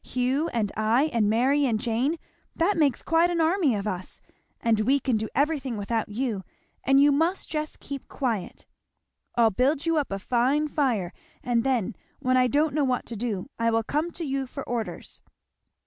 Hugh and I and Mary and Jane, that makes quite an army of us, and we can do everything without you, and you must just keep quiet. I'll build you up a fine fire, and then when I don't know what to do I will come to you for orders.